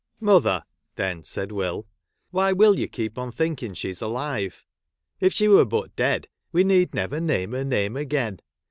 MOTHER,' then said Will, ' why will you keep on thinking she 's alive 1 If she were but dead, we need never name her name again.